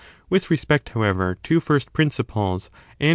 With respect, however,^ to first principles, and is.